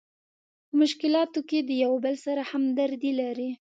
په مشکلاتو کې د یو بل سره همدردي لري.